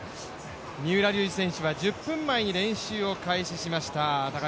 三浦龍司選手は１０分前に練習を開始しました。